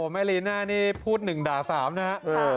แม่ลีน่านี่พูด๑ด่า๓นะครับ